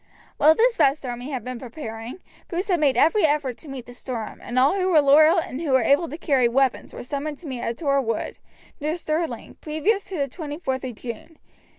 While this vast army had been preparing, Bruce had made every effort to meet the storm, and all who were loyal and who were able to carry weapons were summoned to meet at Torwood, near Stirling, previous to the 24th of June.